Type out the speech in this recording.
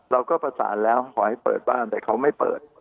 เราก็ประสานแล้วขอให้เปิดบ้านแต่เขาไม่เปิด